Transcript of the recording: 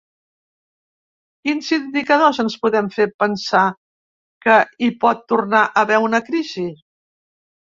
Quins indicadors ens poden fer pensar que hi pot tornar a haver una crisi?